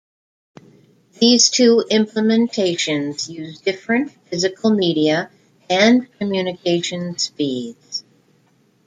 These two implementations use different physical media and communication speeds.